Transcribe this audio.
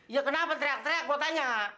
ya kenapa teriak teriak buat tanya